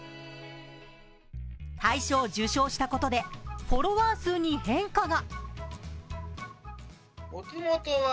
大賞を受賞したことでフォロワー数に変化が。